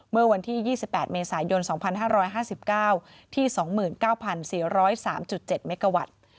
เมื่อวันที่๒๘เมษายน๒๕๕๙ที่๒๙๔๐๓๗เมกาวัตต์